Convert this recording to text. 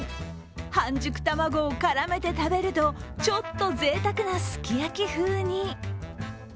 半熟卵を絡めて食べると、ちょっとぜいたくなすき焼き風に。